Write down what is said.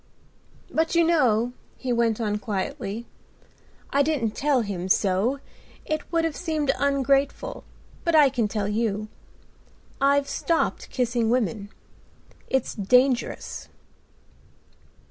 "But, you know," he went on quietly, "I didn't tell him so, it would have seemed ungrateful, but I can tell you. I've stopped kissing women; it's dangerous."